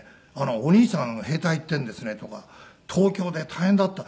「お兄さん兵隊行ってるんですね」とか「東京で大変だった」。